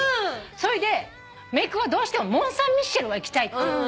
それでめいっ子がどうしてもモンサンミッシェルは行きたいって言うの。